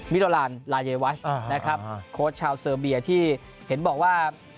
โดลานลาเยวัชนะครับโค้ชชาวเซอร์เบียที่เห็นบอกว่า